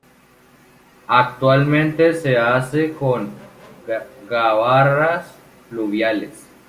Actualmente se hace con gabarras fluviales.